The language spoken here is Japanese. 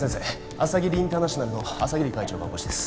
朝霧インターナショナルの朝霧会長がお越しです